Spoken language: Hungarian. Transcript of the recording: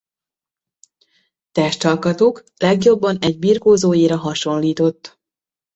Testalkatuk legjobban egy birkózóéra hasonlított.